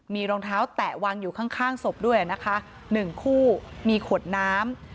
มีรองเท้าแตะวางอยู่ข้างศพด้วยนะคะหนึ่งคู่มีขวดน้ำ